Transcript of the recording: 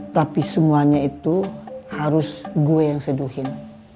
tapi semuanya itu harus gue yang seduhin